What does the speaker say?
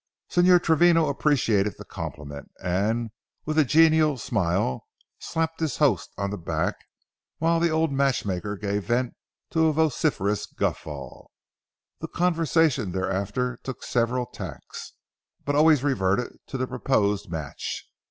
Señor Travino appreciated the compliment, and, with a genial smile, slapped his host on the back, while the old matchmaker gave vent to a vociferous guffaw. The conversation thereafter took several tacks, but always reverted to the proposed match.